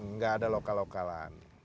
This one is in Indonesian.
nggak ada lokal lokalan